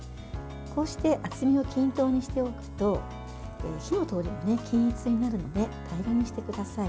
こうして厚みを均等にしておくと火の通りが均一になるので平らにしてください。